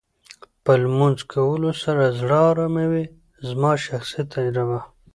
په لمونځ کولو سره زړه ارامه وې زما شخصي تجربه